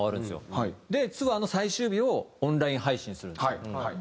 でツアーの最終日をオンライン配信するんですよ。